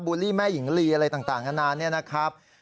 บูลลี่แม่หญิงลีอะไรต่างกันนานนี้นะครับ